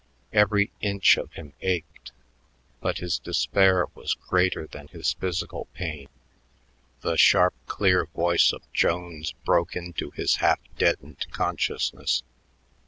Every inch of him ached, but his despair was greater than his physical pain. The sharp, clear voice of Jones broke into his half deadened consciousness.